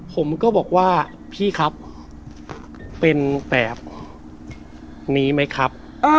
ผมก็บอกว่าพี่ครับเป็นแบบนี้ไหมครับ